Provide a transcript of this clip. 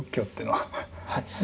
はい。